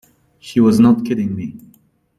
She was not kidding me.